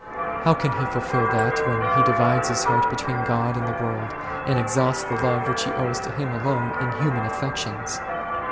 How can he fulfil that, when he divides his heart between God and the world, and exhausts the love which he owes to Him alone in human affections?